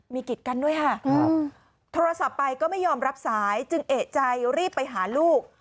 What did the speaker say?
มีกิจกันด้วยค่ะโทรศัพท์ไปก็ไม่ยอมรับสายจึงเอกใจรีบไปหาลูก